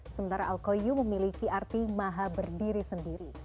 sementara al qoyu memiliki arti maha berdiri sendiri